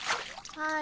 はい。